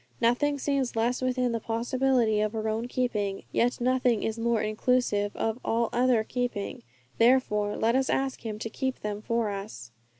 Nothing seems less within the possibility of our own keeping, yet nothing is more inclusive of all other keeping. Therefore let us ask Him to keep them for us.